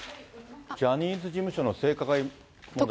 ジャニーズ事務所の性加害問題